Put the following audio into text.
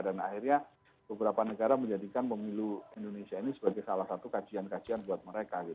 dan akhirnya beberapa negara menjadikan pemilu indonesia ini sebagai salah satu kajian kajian buat mereka gitu